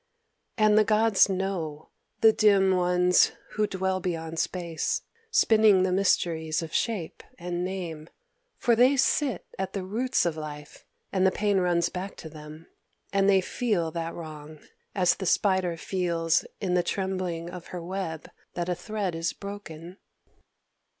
"And the Gods know, the dim ones who dwell beyond Space, spinning the mysteries of Shape and Name. For they sit at the roots of Life; and the pain runs back to them; and they feel that wrong, as the Spider feels in the trembling of her web that a thread is broken...."